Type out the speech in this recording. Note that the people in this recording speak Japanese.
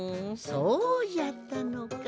そうじゃったのか。